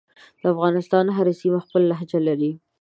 دافغانستان هره سیمه خپله لهجه لری